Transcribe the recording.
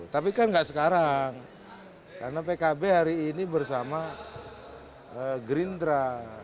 tapi kan nggak sekarang karena pkb hari ini bersama gerindra